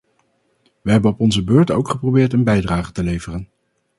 Wij hebben op onze beurt ook geprobeerd een bijdrage te leveren.